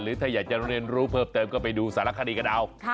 ถ้าอยากจะเรียนรู้เพิ่มเติมก็ไปดูสารคดีกันเอา